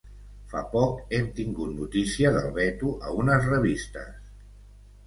fa poc hem tingut notícia del veto a unes revistes